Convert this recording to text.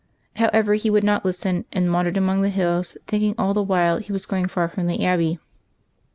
However, he would not lis ten, and wandered among the hills, thinking all the while he was going far from the abbey.